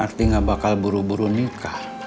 berarti nggak bakal buru buru nikah